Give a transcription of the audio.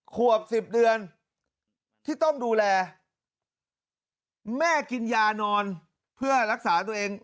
ขวบ๑๐เดือนที่ต้องดูแลแม่กินยานอนเพื่อรักษาตัวเอง